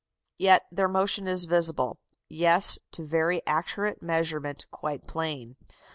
Yet their motion is visible yes, to very accurate measurement quite plain.